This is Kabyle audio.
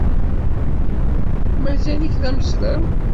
Mazal-ik d amezraw?